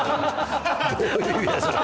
どういう意味だそれ。